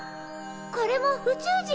これも宇宙人？